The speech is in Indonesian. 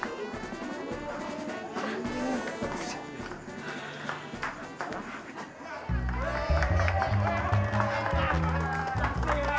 ibu aku bisa